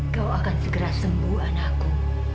kau akan segera sembuh anakku